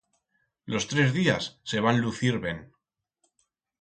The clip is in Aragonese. Los tres días se van lucir ben.